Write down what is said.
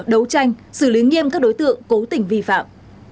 đấu tranh xử lý nghiêm các đối tượng cố tình vi phạm